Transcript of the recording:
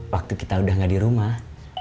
waktu kita udah gak dirumah